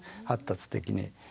発達的に。